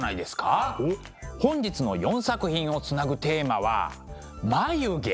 本日の４作品をつなぐテーマは「眉毛」。